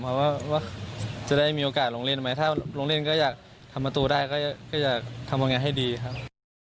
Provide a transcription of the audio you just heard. เพราะว่าจะได้มีโอกาสลงเลนใหม่ถ้าลงเลนก็อยากทำมาตัวได้ก็อยากทำวันไงให้ดีครับ